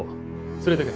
連れてけ。